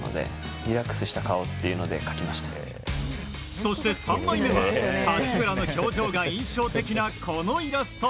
そして３枚目は八村の表情が印象的なこのイラスト。